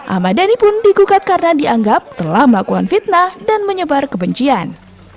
ahmad dhani pun digugat karena dianggap telah melakukan fitnah dan menyebar kebencian